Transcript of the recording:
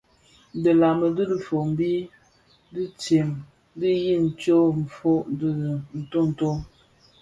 Dhilaň dhifombi dintsem di yin tsom ifog dhi ntonto.